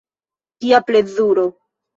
Kia plezuro.